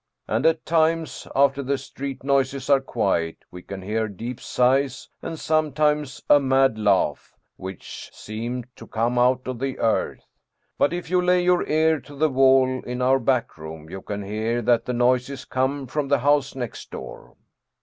And at times, after the street noises are quiet, we can hear deep sighs, and sometimes a mad laugh, which seem to come out of the earth. But if you lay your ear to the wall in our back room, you can hear that the noises come from the house next door."